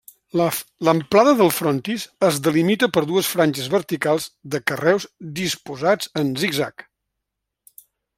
L'amplada del frontis es delimita per dues franges verticals de carreus disposats en zig-zag.